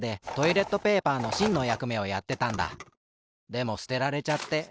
でもすてられちゃって。